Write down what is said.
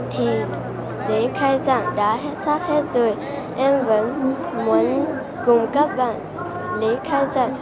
thì giấy khai giảng đã hết sát hết rồi em vẫn muốn cùng các bạn lấy khai giảng